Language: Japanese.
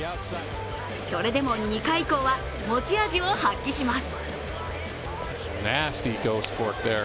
それでも２回以降は持ち味を発揮します。